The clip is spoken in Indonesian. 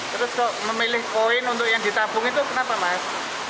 terus kok memilih koin untuk yang ditabung itu kenapa mas